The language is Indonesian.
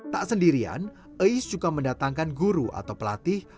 tak sendirian ais juga mendatangkan guru atau pelatih